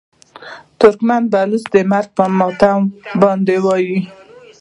ترکمن د بلوڅ د مرګ پر ماتم باندې وایي.